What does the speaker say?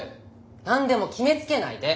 何でも決めつけないで！